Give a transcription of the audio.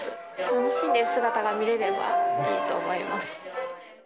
楽しんでる姿が見れれば、いいと思います。